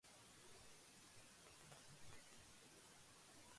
کوڑے دان میں بچی ہوئی غذا رکھ کر صرف